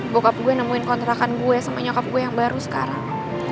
bokap gue nemuin kontrakan gue sama nyokap gue yang baru sekarang